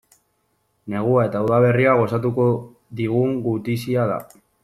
Negua eta udaberria gozatuko digun gutizia da.